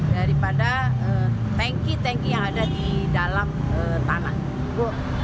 daripada tanki tanki yang ada di dalam tanah